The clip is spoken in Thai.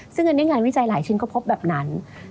ซึ่งอันนี้งานวิจัยหลายชิ้นก็พบแบบนั้น